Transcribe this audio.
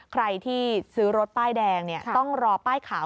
ใครที่ซื้อรถป้ายแดงต้องรอป้ายขาว